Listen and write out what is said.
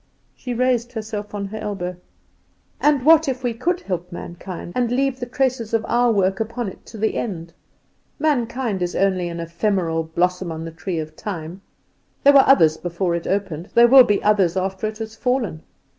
She raised herself on her elbow. "And what if we could help mankind, and leave the traces of our work upon it to the end? Mankind is only an ephemeral blossom on the tree of time; there were others before it opened; there will be others after it has fallen.